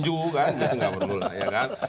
dan dia kan orang yang nggak munasabah